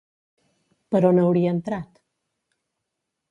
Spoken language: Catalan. Per on hauria entrat?